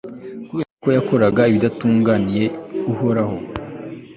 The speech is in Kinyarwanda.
kubera ko yakoraga ibidatunganiye uhoraho